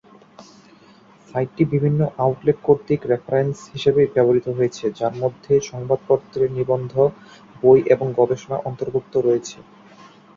সাইটটি বিভিন্ন আউটলেট কর্তৃক রেফারেন্স হিসাবে ব্যবহৃত হয়েছে যার মধ্যে সংবাদপত্রের নিবন্ধ, বই এবং গবেষণা অন্তর্ভুক্ত রয়েছে।